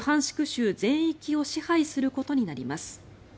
州全域を支配することになります。